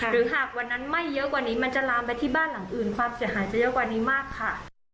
หรือหากวันนั้นไหม้เยอะกว่านี้มันจะลามไปที่บ้านหลังอื่นความเสียหายจะเยอะกว่านี้มากค่ะ